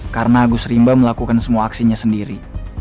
karena agus rimba melakukan semua aksinya sendiri